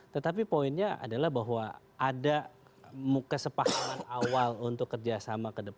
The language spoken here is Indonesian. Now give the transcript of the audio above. tetapi poinnya adalah bahwa ada kesepakatan awal untuk kerja sama